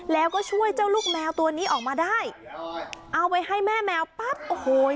แล้วก็ช่วยเจ้าลูกแมวตัวนี้ออกมาได้เอาไว้ให้แม่แมวปั๊บโอ้โห